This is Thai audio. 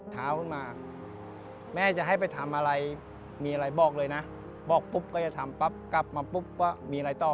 ขึ้นมาแม่จะให้ไปทำอะไรมีอะไรบอกเลยนะบอกปุ๊บก็จะทำปั๊บกลับมาปุ๊บว่ามีอะไรต่อ